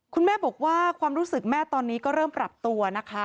คุณแม่บอกว่าความรู้สึกแม่ตอนนี้ก็เริ่มปรับตัวนะคะ